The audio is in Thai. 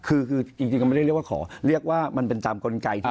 คือจริงไม่ใช่ว่าเรียกว่าเรียกว่ามันเป็นจามกลไก่